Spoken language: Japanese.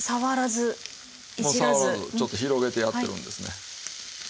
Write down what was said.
もう触らずちょっと広げてやってるんですね。